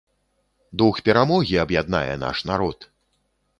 Дух перамогі аб'яднае наш народ!